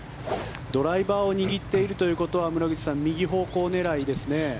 ドライバーを握っているということは、村口さん右方向狙いですね。